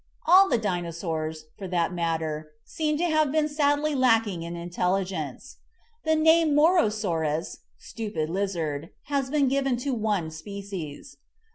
All the Dinosaurs, for that matter, seem to have been sadly lacking in intelli gence. The name Morosaurus (Stupid Lizard) has been given to one species.